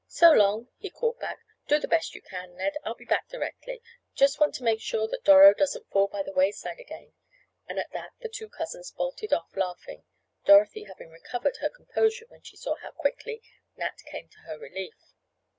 "So long," he called back. "Do the best you can, Ned. I'll be back directly. Just want to make sure that Doro doesn't fall by the wayside again," and at that the two cousins bolted off laughing, Dorothy having recovered her composure when she saw how quickly Nat came to her relief.